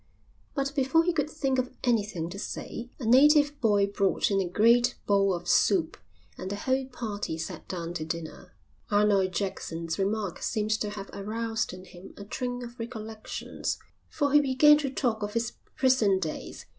But before he could think of anything to say a native boy brought in a great bowl of soup and the whole party sat down to dinner. Arnold Jackson's remark seemed to have aroused in him a train of recollections, for he began to talk of his prison days.